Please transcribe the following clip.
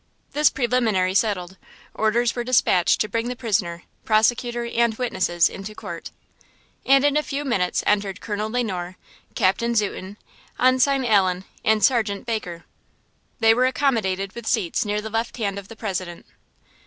This preliminary settled, orders were despatched to bring the prisoner, prosecutor and witnesses into court. And in a few minutes entered Colonel Le Noir, Captain Zuten, Ensign Allen and Sergeant Baker. They were accomodated with seats near the left hand of the President.